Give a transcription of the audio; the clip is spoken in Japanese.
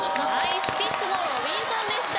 スピッツの『ロビンソン』でした。